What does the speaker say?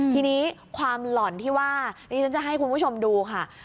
ทีนี้ความหล่อนที่ว่านี่ฉันจะให้คุณผู้ชมดูค่ะ